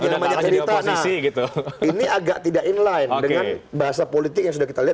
ini agak tidak in line dengan bahasa politik yang sudah kita lihat